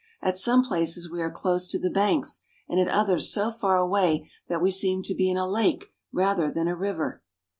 At some places we are close to the banks, and at others so far away that we seem to be in a lake rather than a river.